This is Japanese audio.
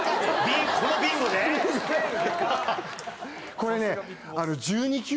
・これね。